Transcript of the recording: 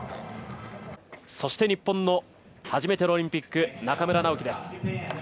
そして日本の初めてのオリンピック中村直幹です。